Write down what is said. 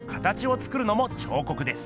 かたちを作るのも彫刻です。